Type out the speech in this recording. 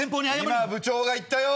今部長が行ったよ！